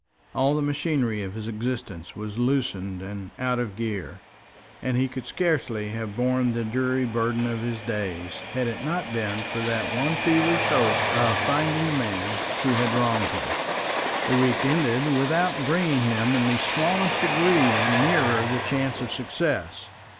All the machinery of his existence was loosened and out of gear, and he could scarcely have borne the dreary burden of his days, had it not been for that one feverish hope of finding the man who had wronged him. The week ended without bringing him in the smallest degree nearer the chance of success.